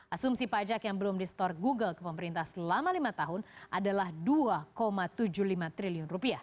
asumsi pajak yang belum di store google ke pemerintah selama lima tahun adalah rp dua tujuh puluh lima triliun